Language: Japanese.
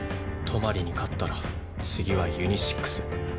トマリに勝ったら次はユニシックス。